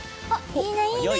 いいねいいね